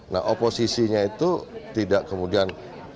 nah oposisinya itu tidak kemudian